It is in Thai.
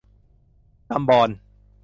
ตำบอน